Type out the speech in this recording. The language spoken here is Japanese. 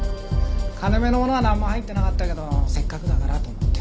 金目のものはなんも入ってなかったけどせっかくだからと思って。